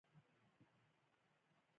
آیا بهرنی افغانان پانګونې ته راځي؟